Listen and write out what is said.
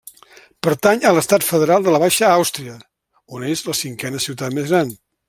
Pertany a l'estat federal de la Baixa Àustria, on és la cinquena ciutat més gran.